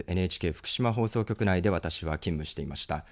ＮＨＫ福島放送局内で私は勤務していました。